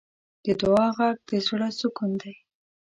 د دعا غږ د زړۀ سکون دی.